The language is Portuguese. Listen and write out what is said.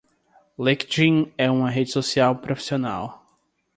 LinkedIn é uma rede social profissional.